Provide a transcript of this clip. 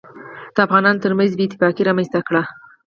دافغانانوترمنځ بې اتفاقي رامنځته کړي